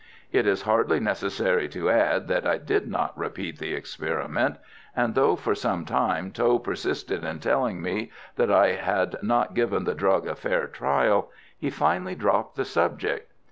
It is hardly necessary to add that I did not repeat the experiment; and though for some time Tho persisted in telling me that I had not given the drug a fair trial, he finally dropped the subject.